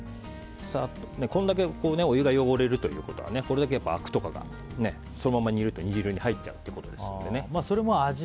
これだけお湯が汚れるということは、あくとかがそのまま煮ると煮汁に入っちゃうということです。